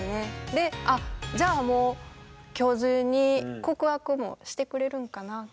であっじゃあもう今日中に告白もしてくれるんかな？